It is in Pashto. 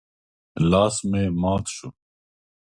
لاس مې مات شو.